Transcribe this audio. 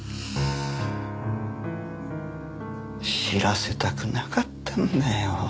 知らせたくなかったんだよ。